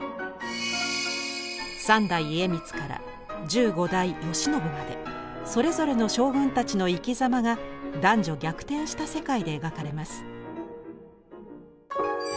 三代家光から十五代慶喜までそれぞれの将軍たちの生きざまが男女逆転した世界で描かれます。